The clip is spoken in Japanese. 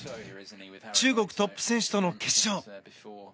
中国トップ選手との決勝。